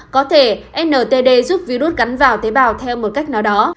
có thể ntd giúp virus cắn vào tế bào theo một cách nào đó